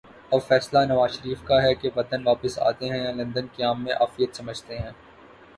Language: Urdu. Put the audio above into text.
اب فیصلہ نوازشریف کا ہے کہ وطن واپس آتے ہیں یا لندن قیام میں عافیت سمجھتے ہیں۔